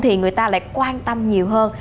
thì người ta lại quan tâm nhiều hơn